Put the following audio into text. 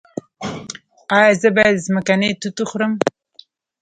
ایا زه باید ځمکنۍ توت وخورم؟